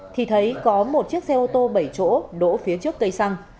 thì thấy có một chiếc xe ô tô bảy chỗ đỗ phía trước cây xăng